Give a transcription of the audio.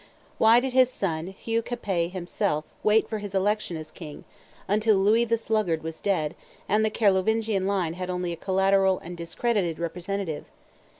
Why did his son, Hugh Capet himself, wait, for his election as king, until Louis the Sluggard was dead, and the Carlovingian line had only a collateral and discredited representative?